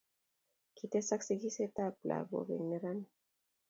Kitesaka sigisietab lagok eng' neranik